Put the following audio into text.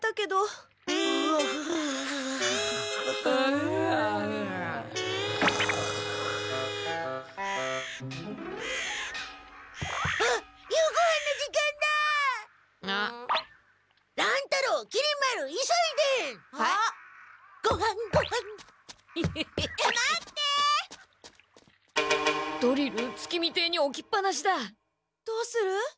どうする？